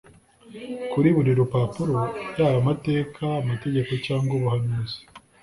Kuri buri rupapuro, yaba amateka, amategeko cyangwa ubuhanuzi,